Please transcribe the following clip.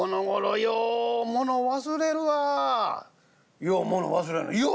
「ようもの忘れるわ」。